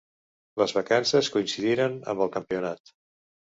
Les vacances coincidiren amb el campionat.